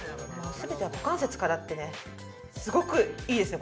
全ては股関節からってねすごくいいですね